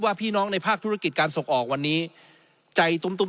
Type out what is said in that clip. พี่น้องในภาคธุรกิจการส่งออกวันนี้ใจตุ้มตุ้ม